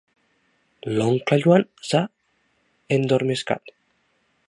L'oncle Joan s'ha endormiscat.